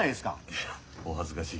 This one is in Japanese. いやお恥ずかしい限りで。